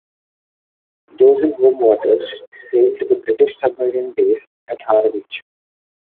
Those in home waters sailed to the British submarine base at Harwich.